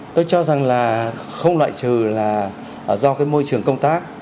tôi cho rằng là không loại trừ là do cái môi trường công tác